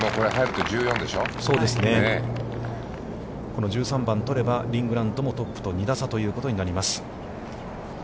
この１３番を取ればリン・グラントもトップと２打差ということになります。